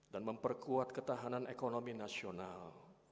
dan memperkuat ketahanan ekonomi nasional